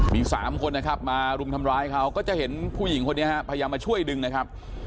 มี๓คนนะครับมารุมทำร้ายเขาก็จะเห็นผู้หญิงคนนี้ฮะพยายามมาช่วยดึงนะครับ